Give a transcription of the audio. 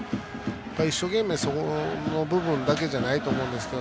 一生懸命そこの部分だけじゃないと思うんですけど。